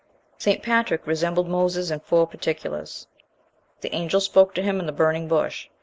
Saint Patrick resembled Moses in four particulars. The angel spoke to him in the burning bush.